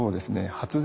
発電